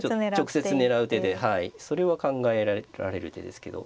直接狙う手でそれは考えられる手ですけど。